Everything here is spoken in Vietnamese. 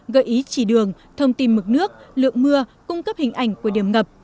gợi ý chỉ đường thông tin mực nước lượng mưa cung cấp hình ảnh của điểm ngập